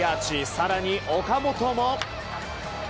更に、岡本も。